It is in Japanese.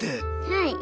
はい。